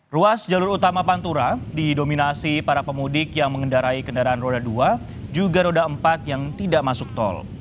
ruas jalur utama pantura didominasi para pemudik yang mengendarai kendaraan roda dua juga roda empat yang tidak masuk tol